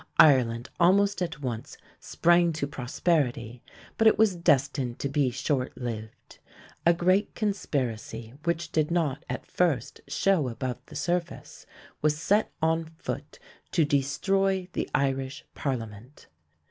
Ireland almost at once sprang to prosperity, but it was destined to be short lived. A great conspiracy, which did not at first show above the surface, was set on foot to destroy the Irish parliament.